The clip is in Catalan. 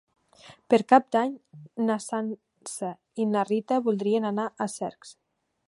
Per Cap d'Any na Sança i na Rita voldrien anar a Cercs.